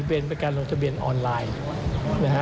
เป็นการลงทะเบียนออนไลน์นะฮะ